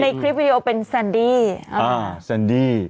อ่าแซนดี้